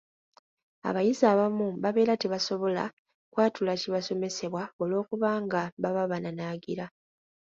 Abayizi abamu babeera tebasobola kwatula kibasomesebwa olw’okubanga baba bananaagira.